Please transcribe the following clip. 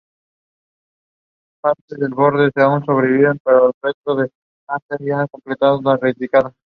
Estas dos ciudades apoyaban anteriormente al presidente Evo Morales y eran bastión del oficialismo.